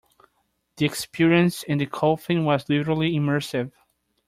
The experience in the coffin was literally immersive.